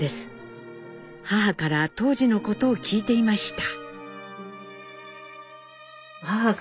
母から当時のことを聞いていました。